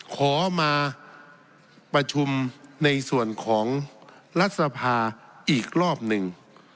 ขอมาประชุมในส่วนของรัฐสภาอีกรอบหนึ่ง